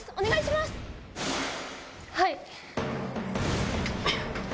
はい！